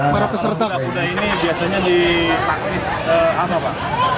para peserta kuda ini biasanya dipakai apa